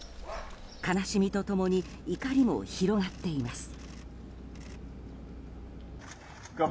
悲しみと共に怒りも広がっています。